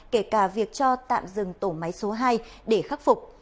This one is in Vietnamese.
kể cả việc cho tạm dừng tổ máy số hai để khắc phục